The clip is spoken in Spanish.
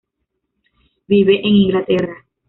Vive en Inglaterra.